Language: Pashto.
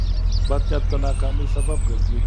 بد نیت د ناکامۍ سبب ګرځي.